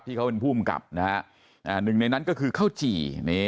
เขาเป็นผู้กำกับนะฮะหนึ่งในนั้นก็คือข้าวจี่